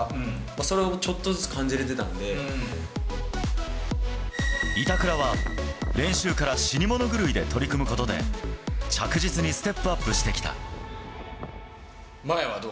それをちょっとずつ感板倉は、練習から死に物狂いで取り組むことで、着実にステップアップして麻也はどう？